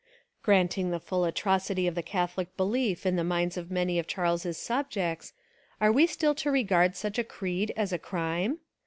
Granting the full atrocity of Catholic belief in the minds of many of Charles's subjects, are we still to re gard such a creed as a crime?